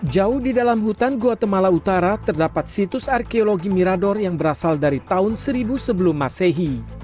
jauh di dalam hutan guatemala utara terdapat situs arkeologi mirador yang berasal dari tahun seribu sebelum masehi